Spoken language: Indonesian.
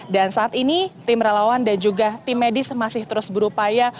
dan saat ini tim relawan dan juga tim medis masih terus berupaya